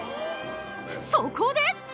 そこで。